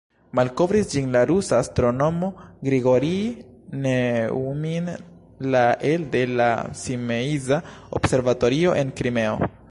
Malkovris ĝin la rusa astronomo Grigorij Neujmin la elde la Simeiza observatorio, en Krimeo.